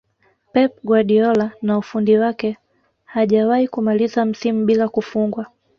Pep Guardiola na ufundi wake hajawahi kumaliza msimu bila kufungwa